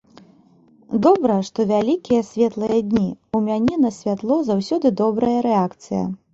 Добра, што вялікія светлыя дні, у мяне на святло заўсёды добрая рэакцыя.